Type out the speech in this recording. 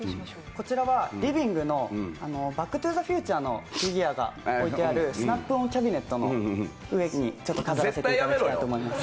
こちらはリビングの「バック・トゥ・ザ・フューチャー」のフィギュアが置いてある、スナップ・オン・キャビネットの上に飾らせていただこうかと思います。